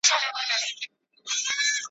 نن به ښه کیسه توده وي د پردي قاتل په کور کي ,